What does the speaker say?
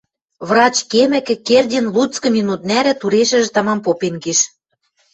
Врач кемӹкӹ, Кердин луцкы минут нӓрӹ турешӹжӹ тамам попен киш